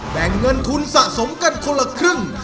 แบ่งเงินทุนสะสมกันคนละครึ่ง